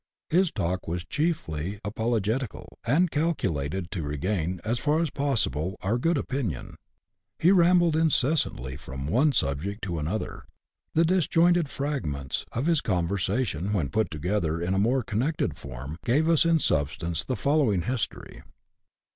His talk was chiefly apologetical, and calculated to regain, as far as possible, our good opinion. He rambled inces santly from one subject to another. The disjointed fragments of his conversation, when put together in a more connected form, gave us in substance the following history.